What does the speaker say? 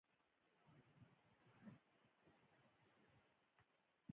افغانستان د کوچیانو له پلوه ځانته ځانګړتیا لري.